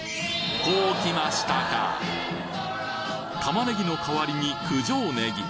こう来ましたかタマネギの代わりに九条ネギ